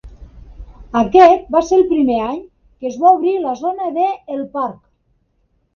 Aquest va ser el primer any que es va obrir la zona de "El Parc".